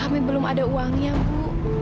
kami belum ada uangnya bu